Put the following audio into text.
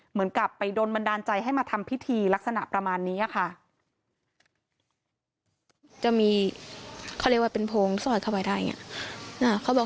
เหมือนกับไปโดนบันดาลใจให้มาทำพิธีลักษณะประมาณนี้ค่ะ